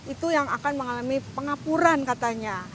itu yang akan mengalami pengapuran katanya